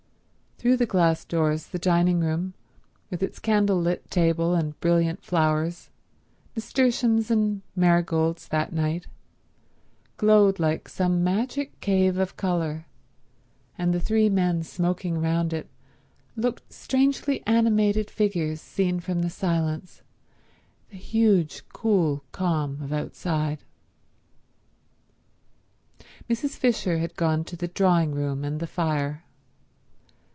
Through the glass doors the dining room, with its candle lit table and brilliant flowers—nasturtiums and marigolds that night—glowed like some magic cave of colour, and the three men smoking round it looked strangely animated figures seen from the silence, the huge cool calm of outside. Mrs. Fisher had gone to the drawing room and the fire.